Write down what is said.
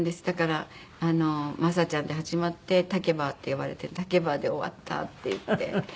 だから雅ちゃんで始まって「たけばぁ」って呼ばれてたけばぁで終わったっていって。